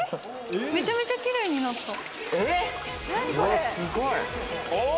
めちゃめちゃ綺麗になった。